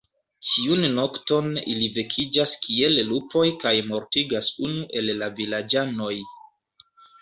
Ĉiun nokton ili vekiĝas kiel lupoj kaj mortigas unu el la vilaĝanoj.